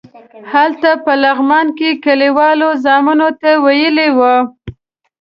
هلته په لغمان کې کلیوالو زامنو ته ویلي وو.